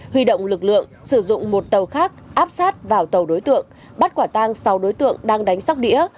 huy động lực lượng sử dụng một tàu khác áp sát vào tàu đối tượng bắt quả tang sáu đối tượng đang đánh sóc đĩa